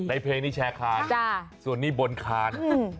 เพลงนี้แชร์คานส่วนนี้บนคาน